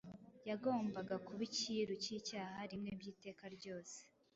yagombaga kuba icyiru cy’icyaha rimwe by’iteka ryose